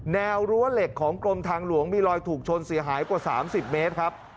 แว้วเหล็กของกรมทางหลวงมีรอยถูกชนเสียหายกว่า๓๐เมตรครับ